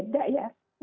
saya kira itu beda ya